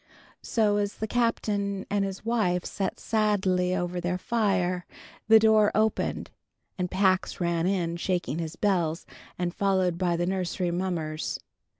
So as the Captain and his wife sat sadly over their fire, the door opened, and Pax ran in shaking his bells, and followed by the nursery mummers.